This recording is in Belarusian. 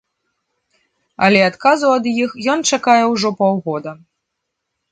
Але адказу ад іх ён чакае ўжо паўгода.